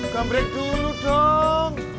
kamu break dulu dong